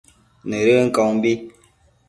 Nëdën caumbi